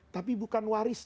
tapi bukan warisnya